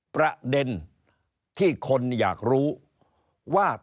ประเด็นที่คนอยากรู้ว่า